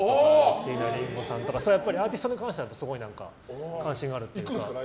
椎名林檎さんとかアーティストに関しては関心があるんです。